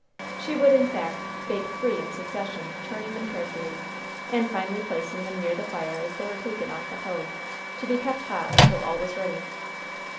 She would, in fact, bake three in succession, turning them carefully, and finally placing them near the fire as they were taken off the hoe, to be kept hot until all was ready.